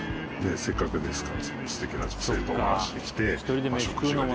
せっかくですから。